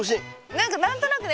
何か何となくね